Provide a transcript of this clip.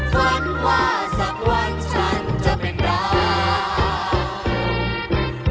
ฝันว่าสักวันฉันจะเป็นเรา